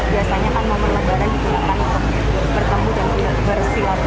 biasanya kan momen lebaran itu akan bertemu dan bersilaku